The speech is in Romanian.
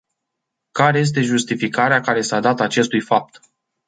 Care este justificarea care s-a dat acestui fapt?